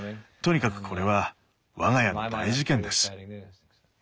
とにかくこれは我が家の大事件です。